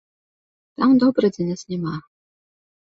Там добра, дзе нас няма.